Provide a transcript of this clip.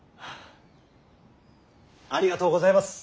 ありがとうございます。